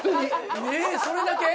えそれだけ⁉